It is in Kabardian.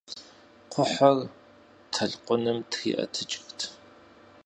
Кхъухьыр толъкъуным триӀэтыкӀырт.